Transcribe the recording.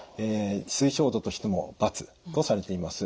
推奨度としても×とされています。